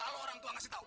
kalau orang tua ngasih tau